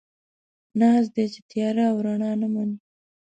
ناز دی، چې تياره او رڼا نه مني